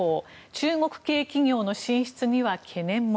中国系企業の進出には懸念も。